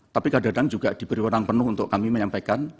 tapi keadaan juga diberi orang penuh untuk kami menyampaikan